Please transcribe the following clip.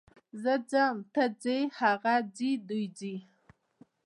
زه ځم، ته ځې، هغه ځي، دوی ځي.